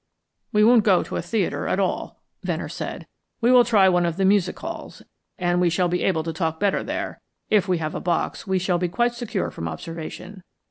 "We won't go to a theatre at all," Venner said. "We will try one of the music halls, and we shall be able to talk better there; if we have a box we shall be quite secure from observation."